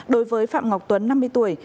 đối với phạm ngọc tuấn năm mươi tuổi